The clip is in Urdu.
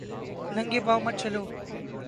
ننگے پاؤں مت چلو